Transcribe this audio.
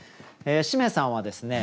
しめさんはですね